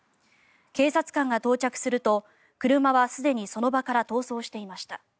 警察官が到着すると車はすでにその場から逃走していました。